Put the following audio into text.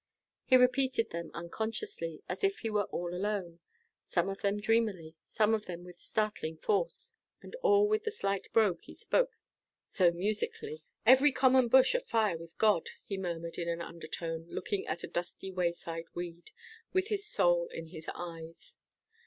He repeated them unconsciously, as if he were all alone; some of them dreamily, some of them with startling force, and all with the slight brogue he spoke so musically. "Every common bush afire with God," he murmured in an undertone, looking at a dusty wayside weed, with his soul in his eyes.